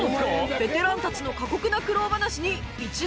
ベテランたちの過酷な苦労話に一同驚愕